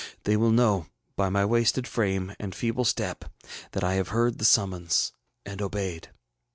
They will know, by my wasted frame and feeble step, that I have heard the summons and obeyed.